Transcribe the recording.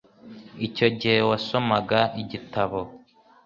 Icyo gihe wasomaga igitabo?